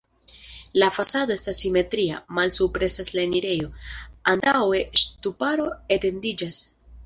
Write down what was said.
La fasado estas simetria, malsupre estas la enirejo, antaŭe ŝtuparo etendiĝas.